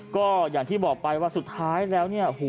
ก็อย่างที่บอกไปว่าสุดท้ายแล้วเนี่ย